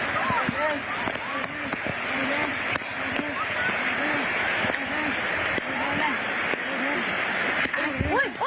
ล้มแล้ว